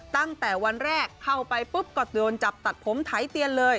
ตั้งแต่วันแรกเข้าไปปุ๊บก็โดนจับตัดผมไถเตียนเลย